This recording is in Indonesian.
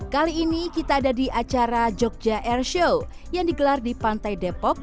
kali ini kita ada di acara jogja airshow yang digelar di pantai depok